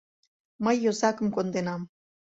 Мый йозакым конденам.